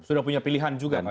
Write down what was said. sudah punya pilihan juga